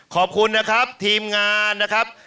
ขอบคุณนะครับทีมงานนะครับ